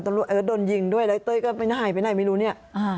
เอิร์ทโดนยิงด้วยแล้วไอเต้ยก็ไม่ได้หายไปไหนไม่รู้เนี่ย